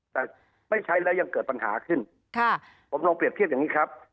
แต่ไม่ใช้แล้วยังเกิดปัญหาขึ้นค่ะผมลองเปรียบเทียบอย่างนี้ครับ